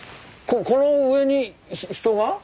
この上に人が？